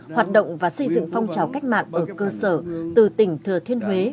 hoạt động và xây dựng phong trào cách mạng ở cơ sở từ tỉnh thừa thiên huế